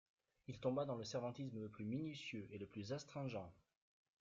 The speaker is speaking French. Il tomba dans le servantisme le plus minutieux et le plus astringent.